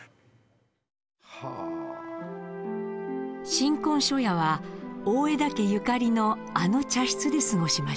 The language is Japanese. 新婚初夜は大條家ゆかりのあの茶室で過ごしました。